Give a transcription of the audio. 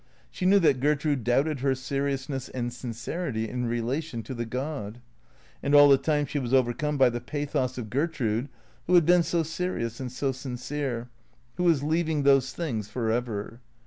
She knew that Gertrude doubted her seriousness and sincerity in relation to the god. And all the time she was overcome by the pathos of Gertrude who had been so serious and so sincere, who was leaving these things for ever.